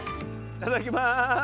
いただきます。